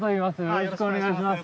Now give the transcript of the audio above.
よろしくお願いします。